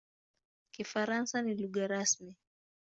Kifaransa ni lugha rasmi.